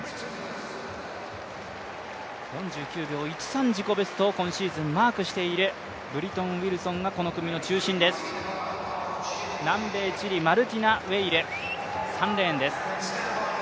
４９秒１３、自己ベストを今シーズンマークしているブリトン・ウィルソンがこの組の中心です、南米チリ、マルティナ・ウェイル３レーンです。